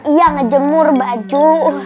iya ngejemur baju